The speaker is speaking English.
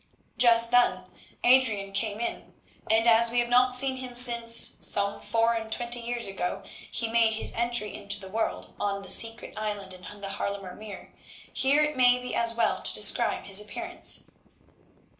Just then Adrian came in, and as we have not seen him since, some four and twenty years ago, he made his entry into the world on the secret island in the Haarlemer Meer, here it may be as well to describe his appearance.